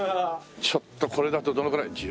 ちょっとこれだとどのくらい？